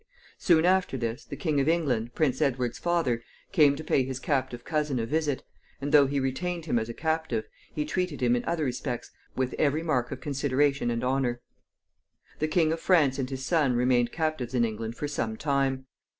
Soon after this, the King of England, Prince Edward's father, came to pay his captive cousin a visit, and, though he retained him as a captive, he treated him in other respects with every mark of consideration and honor. The King of France and his son remained captives in England for some time.